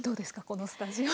このスタジオ。